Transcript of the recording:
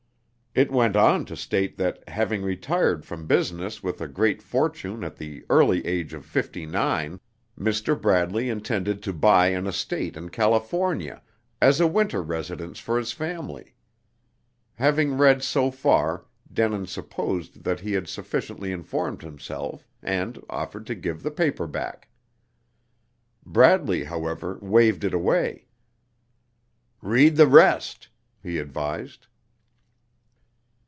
It went on to state that, having retired from business with a great fortune at the early age of fifty nine, Mr. Bradley intended to buy an estate in California, as a winter residence for his family. Having read so far, Denin supposed that he had sufficiently informed himself, and offered to give the paper back. Bradley, however, waved it away. "Read the rest," he advised.